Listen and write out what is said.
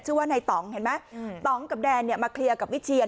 ชื่อว่าในต่องเห็นไหมต่องกับแดนเนี่ยมาเคลียร์กับวิเชียน